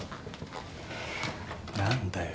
何だよ？